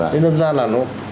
nên đâm ra là nó